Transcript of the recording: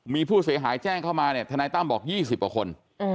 มีผู้เสียหายแจ้งเข้ามาทนายต้ำบอก๒๐บาทคน